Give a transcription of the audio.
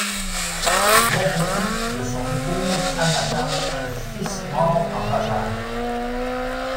Il avait eu de son épouse Amata un fils mort en bas-âge.